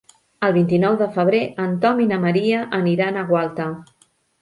El vint-i-nou de febrer en Tom i na Maria aniran a Gualta.